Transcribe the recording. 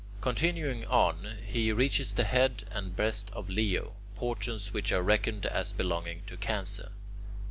Continuing on, he reaches the head and breast of Leo, portions which are reckoned as belonging to Cancer.